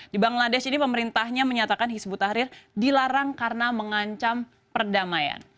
di bangladesh ini pemerintahnya menyatakan hizbut tahrir dilarang karena mengancam perdamaian